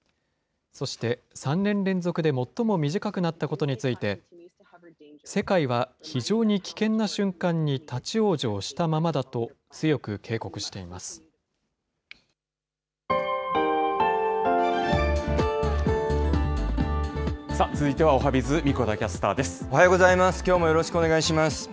そして、３年連続で最も短くなったことについて、世界は非常に危険な瞬間に立往生したままだと、強く警告しています。